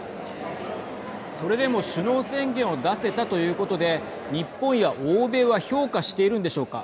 それでも首脳宣言を出せたということで日本や欧米は評価しているんでしょうか。